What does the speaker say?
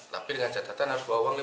tapi dengan catatan yang lain